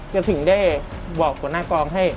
ถึงได้บอกหัวหน้ากองให้